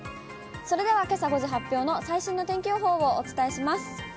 それではけさ５時発表の最新の天気予報をお伝えします。